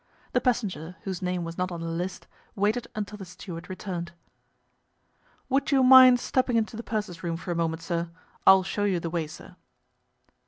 The passenger, whose name was not on the list, waited until the steward returned. "Would you mind stepping into the purser's room for a moment, sir? I'll show you the way, sir."